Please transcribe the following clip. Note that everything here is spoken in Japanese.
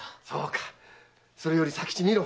それより佐吉見ろ。